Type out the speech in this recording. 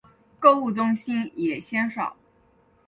购物中心也鲜少。